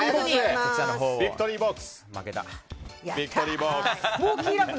ビクトリーボックスに。